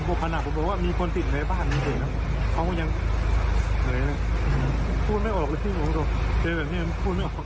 พูดไม่ออกหรือพี่พูดไม่ออกเจอแบบนี้พูดไม่ออก